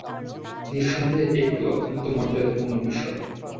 নিঃসন্দেহে এটি ছিল অত্যন্ত মর্যাদাপূর্ণ বিষয়।